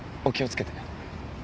お気をつけて。